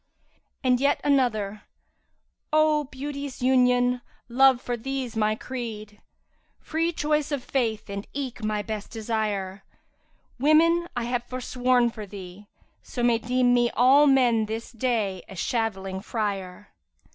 And yet another, 'O beauty's Union! love for thee's my creed, * Free choice of Faith and eke my best desire: Women I have forsworn for thee; so may * Deem me all men this day a shaveling friar.'